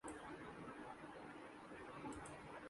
وہ پڑی ہیں روز قیامتیں کہ خیال روز جزا گیا